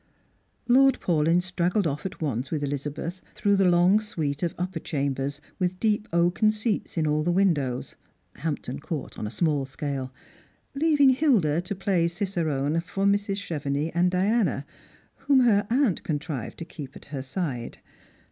Lord Paulyn straggled off at once with Elizabeth through the long suite of up[)er chambers, with deep oaken seats in all the windows— Hamjiton Court on a small scale —■ leaving Hilda to play cicerone for Mrs. Clievenix and Diana, whom her aunt contrived to keep at her side.